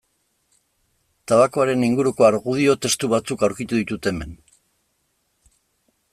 Tabakoaren inguruko argudio testu batzuk aurkitu ditut hemen.